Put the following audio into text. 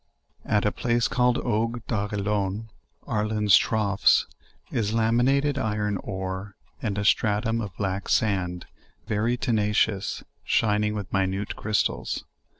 At a place called "Auges d' Arelon." (Arlan's troughs) is laminated iron ore, and a stratum of black sand, very tena cious, shining with minute chrystals.